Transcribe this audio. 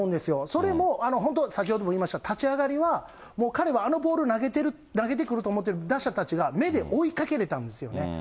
それも本当、先ほども言いました、立ち上がりはもう彼はあのボール投げてくると思って、打者たちが目で追いかけれたんですよね。